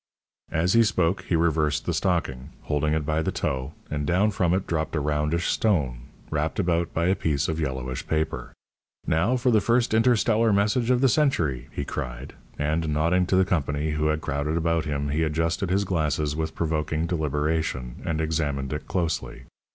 As he spoke, he reversed the stocking, holding it by the toe, and down from it dropped a roundish stone, wrapped about by a piece of yellowish paper. "Now for the first interstellar message of the century!" he cried; and nodding to the company, who had crowded about him, he adjusted his glasses with provoking deliberation, and examined it closely.